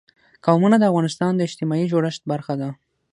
قومونه د افغانستان د اجتماعي جوړښت برخه ده.